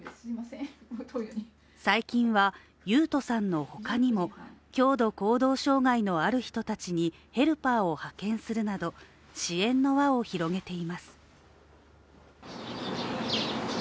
最近は、雄斗さんのほかにも強度行動障害のある人たちにヘルパーを派遣するなど、支援の輪を広げています。